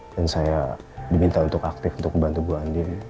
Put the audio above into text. dan saya diminta untuk aktif untuk membantu mbak andin